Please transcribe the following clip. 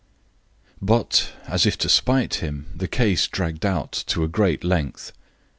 But, as if to spite him, the case dragged out to a great length.